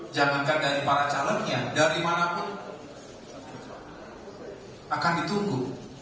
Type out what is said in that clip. jangankan dari para calonnya dari mana pun akan ditunggu